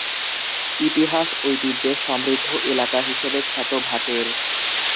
ইতিহাস ঐতিহ্যে সমৃদ্ধ এলাকা হিসেবে খ্যাত ভাটের।